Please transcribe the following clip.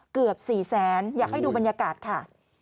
เกือบ๔แสนอยากให้ดูบรรยากาศค่ะ